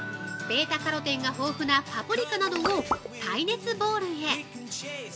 βカロテンが豊富なパプリカなどを耐熱ボウルへ。